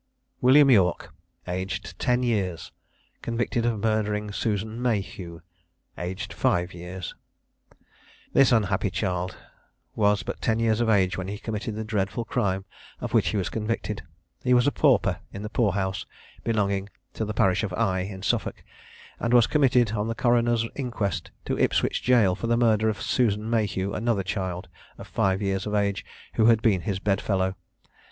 WILLIAM YORK, AGED TEN YEARS, CONVICTED OF MURDERING SUSAN MAHEW, AGED FIVE YEARS. This unhappy child was but ten years of age when he committed the dreadful crime of which he was convicted. He was a pauper in the poorhouse belonging to the parish of Eye, in Suffolk, and was committed, on the coroner's inquest, to Ipswich jail, for the murder of Susan Mahew, another child, of five years of age, who had been his bedfellow.